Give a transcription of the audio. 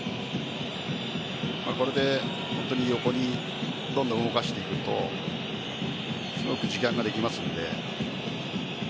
これで横にどんどん動かしていくとすごく時間ができますので。